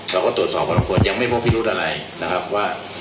เราก็ตรวจสอบพอต้องควรยังไม่พบพิรุธอะไร